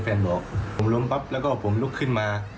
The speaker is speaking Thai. บอกผมล้มปั๊บแล้วก็ผมลุกขึ้นมา